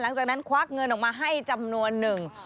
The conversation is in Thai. หลังจากนั้นควักเงินออกมาให้จำนวนนึง